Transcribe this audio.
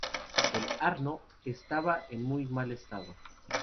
El "Arno" estaba en muy mal estado.